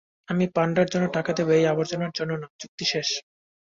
আমি পান্ডার জন্য টাকা দেব, এই আবর্জনার জন্য না, চুক্তি শেষ!